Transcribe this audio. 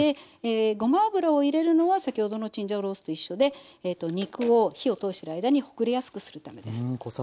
ごま油を入れるのは先ほどのチンジャオロースーと一緒でえっと肉を火を通してる間にほぐれやすくするためです。